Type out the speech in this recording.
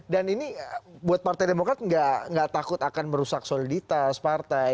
dan ini buat partai demokrat nggak takut akan merusak soliditas partai